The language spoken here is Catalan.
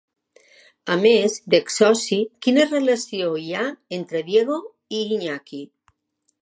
A més d'ex-soci, quina relació hi ha entre Diego i Iñaki?